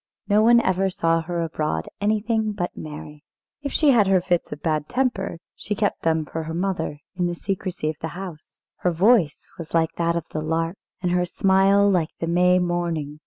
No one ever saw her abroad anything but merry. If she had her fits of bad temper, she kept them for her mother, in the secrecy of the house. Her voice was like that of the lark, and her smile like the May morning.